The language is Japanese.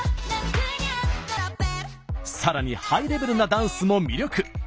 さらにハイレベルなダンスも魅力。